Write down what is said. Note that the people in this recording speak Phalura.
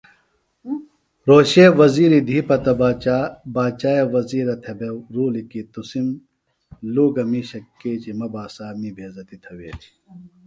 رھوشے وزِیری دھی پتہ گی باچاے وزِیرہ تھےۡ بےۡ رُولیۡ کیۡ تُسِم لُوگہ مِیشہ کیچیۡ مہ باسا می بھیزتیۡ تھویلیۡ